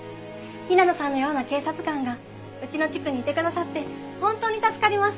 平野さんのような警察官がうちの地区にいてくださって本当に助かります。